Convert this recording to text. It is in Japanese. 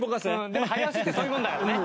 でも早押しってそういうもんだからね。